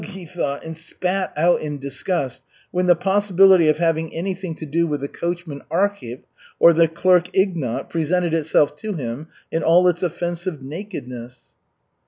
he thought, and spat out in disgust when the possibility of having anything to do with the coachman Arkhip or the clerk Ignat presented itself to him in all its offensive nakedness.